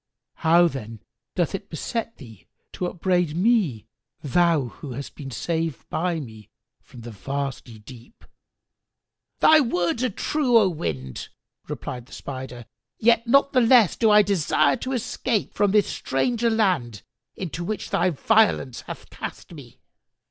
How, then, doth it beset thee to upbraid me, thou who hast been saved by me from the vasty deep?" "Thy words are true, O Wind," replied the Spider, "yet not the less do I desire to escape from this stranger land into which thy violence hath cast me."